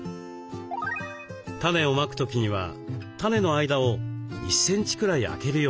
タネをまく時にはタネの間を１センチくらいあけるようにします。